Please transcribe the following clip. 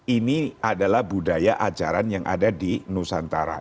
ini adalah budaya ajaran yang ada di nusantara